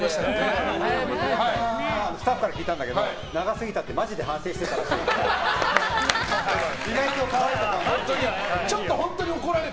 スタッフから聞いたんだけど長すぎたってマジで反省してたって。